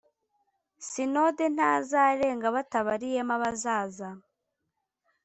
sinode ntuzarenga batabariyemo abazaza